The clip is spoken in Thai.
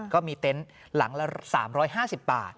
เต็นต์หลังละ๓๕๐บาท